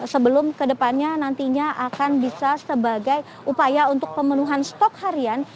sebelum kedepannya nantinya akan bisa sebagai upaya untuk pemenuhan stok harian